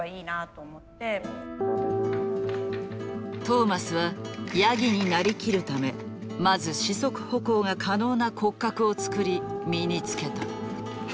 トーマスはヤギになりきるためまず四足歩行が可能な骨格を作り身に着けた。